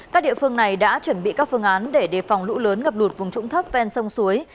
các địa phương này đã chuẩn bị các phương án để đề phòng lũ lớn ngập lụt vùng trũng thấp ven sông suối